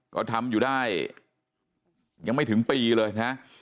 ก็ทำอยู่ได้ยังไม่ถึงปีเลยนะ